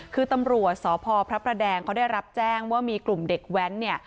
คือตำรวจสพพระประแดงเขาได้รับแจ้งว่ามีกลุ่มเด็กแว้นเนี่ย